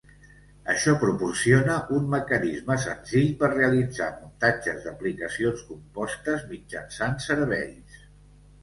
Això proporciona un mecanisme senzill per realitzar muntatges d'aplicacions compostes mitjançant serveis.